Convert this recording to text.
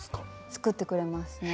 作ってくれますね。